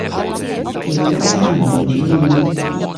亦都揸唔定主意